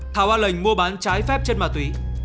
thảo an lệnh mua bán trái phép chất ma túy